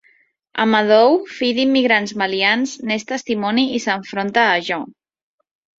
Amadou, fill d'immigrants malians, n'és testimoni i s'enfronta a Jean.